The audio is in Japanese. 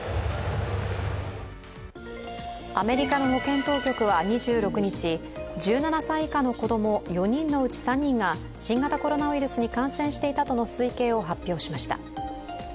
アメリカの保健当局は２６日１７歳以下の子供４人のうち３人が新型コロナウイルスに感染していたとの推計を発表しました。